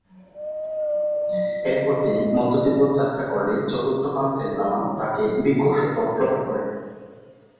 এরপর তিনি মধ্য তিব্বত যাত্রা করলে চতুর্থ পাঞ্চেন লামা তাকে ভিক্ষুর শপথ প্রদান করেন।